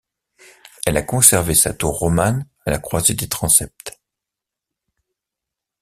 Elle a conservé sa tour romane à la croisée des transepts.